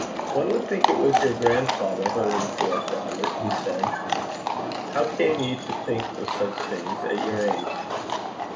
'One would think it was your grandfather holding forth, Robert,' he said. 'How came you to think of such things at your age?'